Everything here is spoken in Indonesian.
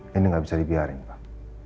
nyambit ini gak bisa dibiarin pak